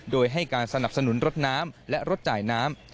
โดยให้การสนับสนุนรถน้ำและรถจ่ายน้ำ